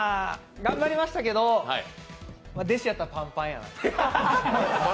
頑張りましたけど、弟子やったらパンパンやな。